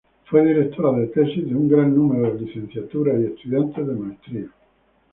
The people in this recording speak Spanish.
Fue directora de tesis del gran número de licenciatura y estudiantes de maestría.